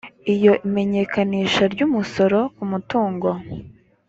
iyo imenyekanisha ry umusoro ku mutungo